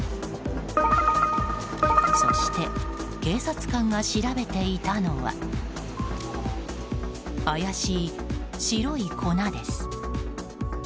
そして警察官が調べていたのは怪しい白い粉です。